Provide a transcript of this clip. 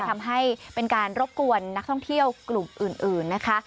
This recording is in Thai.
ทำให้เป็นการรบกวนนักท่องเที่ยวกลุ่มอื่นนะคะ